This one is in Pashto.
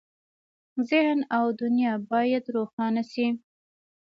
ذهن او دنیا باید روښانه شي.